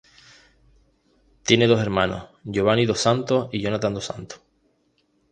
Tiene dos hermanos, Giovani dos Santos y Jonathan dos Santos.